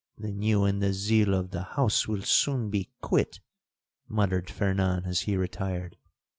'—'Then you and the zeal of the house will soon be quit,' muttered Fernan as he retired.